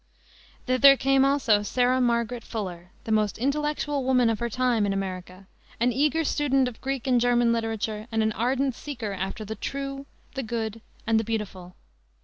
Thither came, also, Sarah Margaret Fuller, the most intellectual woman of her time in America, an eager student of Greek and German literature and an ardent seeker after the True, the Good, and the Beautiful.